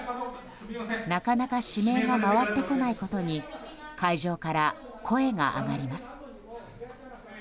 なかなか指名が回ってこないことに会場から声が上がります。